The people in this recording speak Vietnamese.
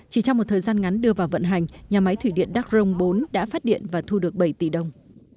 chỉ trong một thời gian ngắn đưa vào vận hành nhà máy thủy điện đắc rông bốn đã phát điện và thu được bảy tỷ đồng